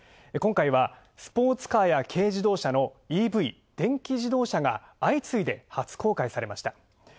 今回はスポーツカーや軽自動車のＥＶ＝電気自動車が相次いで初公開されました。